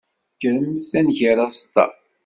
Kremt ad nger aẓeṭṭa.